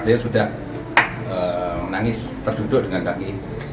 menangis terduduk dengan kaki